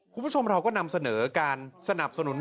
คุณผู้ชมเราก็นำเสนอการสนับสนุน